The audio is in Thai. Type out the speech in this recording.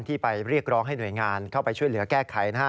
ที่ไปเรียกร้องให้หน่วยงานเข้าไปช่วยเหลือแก้ไขนะฮะ